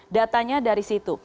datanya dari situ